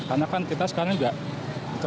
karena kan kita sekarang juga